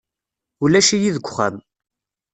Ulac-iyi deg uxxam.